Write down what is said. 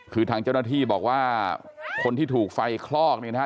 คือทางเจ้าหน้าที่บอกว่าคนที่ถูกไฟคลอกเนี่ยนะฮะ